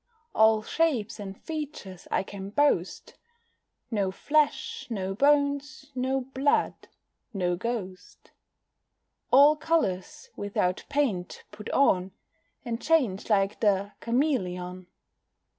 All shapes and features I can boast, No flesh, no bones, no blood no ghost: All colours, without paint, put on, And change like the cameleon.